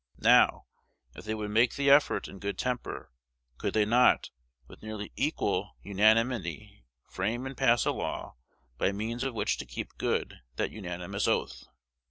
Now, if they would make the effort in good temper, could they not, with nearly equal unanimity, frame and pass a law by means of which to keep good that unanimous oath?